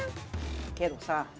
けどさ